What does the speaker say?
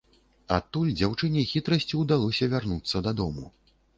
Адтуль дзяўчыне хітрасцю ўдалося вярнуцца дадому.